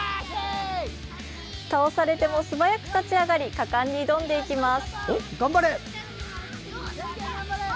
倒されても素早く立ち上がり果敢に挑んでいきます。